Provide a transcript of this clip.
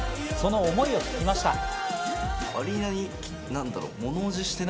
その思いを聞きました。